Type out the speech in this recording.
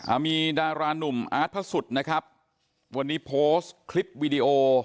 อ่ามีดารานุ่มอาร์ตพระสุทธิ์นะครับวันนี้โพสต์คลิปวิดีโอ